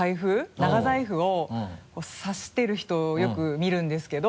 長財布を刺している人をよく見るんですけど。